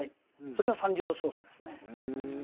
それが三流のすごさですね。